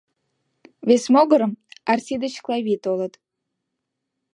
Вес могырым Арси деч Клави толыт.